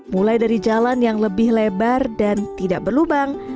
mulai dari jalan yang lebih lebar dan tidak berlubang